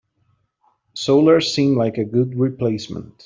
Solar seems like a good replacement.